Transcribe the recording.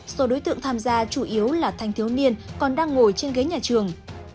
số đối tượng tham gia chủ yếu là thanh thiếu niên còn đang ngồi trên ghế nhà trường